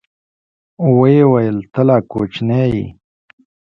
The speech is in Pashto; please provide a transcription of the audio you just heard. ويې ويل ته لا کوچنى يې.